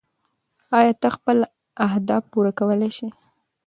ایا ته خپل اهداف پوره کولی شې؟